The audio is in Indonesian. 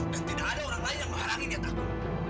dan tidak ada orang lain yang mengharangi niat aku